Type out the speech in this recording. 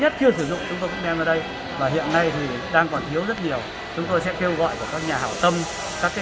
và chúng tôi nghĩ rằng là với cái tấm lòng người dân việt nam thì chúng tôi không sợ chứ không máy móc